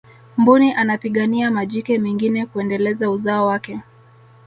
mbuni anapigania majike mengine kuendeleza uzao wake